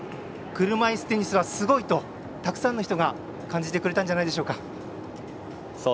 車いすテニスはすごいとたくさんの人が感じてくれたんじゃないでしょうか。